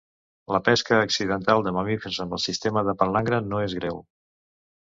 La pesca accidental de mamífers amb el sistema de palangre no és greu.